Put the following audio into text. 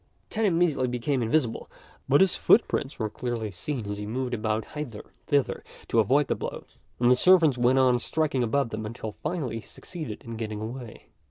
Tan immediately became invisible, but his footprints were clearly seen as he moved about hither and thither to avoid the blows, and the servants went on striking above them until finally he succeeded in getting away.